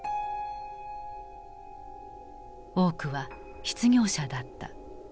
多くは失業者だった。